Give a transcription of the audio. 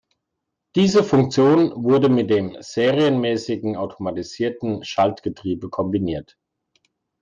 Diese Funktion wurde mit dem serienmäßigen automatisierten Schaltgetriebe kombiniert.